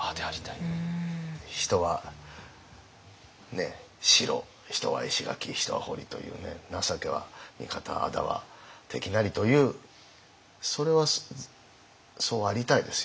人は城人は石垣人は堀というね情けは味方仇は敵なりというそれはそうありたいですよね。